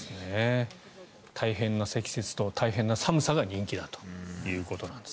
大変な積雪と大変な寒さが人気だということです。